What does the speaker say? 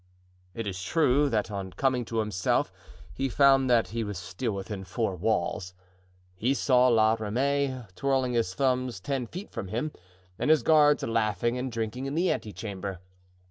It is true that on coming to himself he found that he was still within four walls; he saw La Ramee twirling his thumbs ten feet from him, and his guards laughing and drinking in the ante chamber.